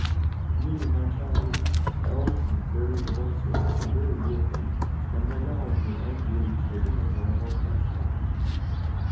To me in my childhood, elves and fairies of all sorts were very real things, and my dolls were as really children as I was myself a child.